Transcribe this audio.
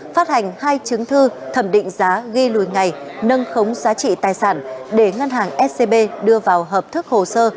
phát hành hai chứng thư thẩm định giá ghi lùi ngày nâng khống giá trị tài sản để ngân hàng scb đưa vào hợp thức hồ sơ